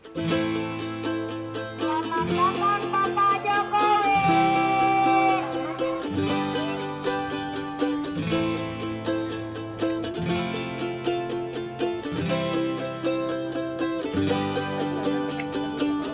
pembangunan bapak jokowi